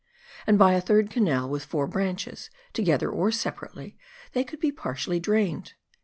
And by a third canal with four branches, to gether or separately, they could be partially drained.